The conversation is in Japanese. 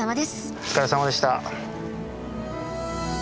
お疲れさまでした。